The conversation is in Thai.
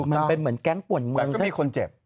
มันเป็นเหมือนแก๊งป่วนเมืองมันใช่คนเจ็บ